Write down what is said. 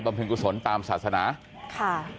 บำพึงกุศลตามศาสนา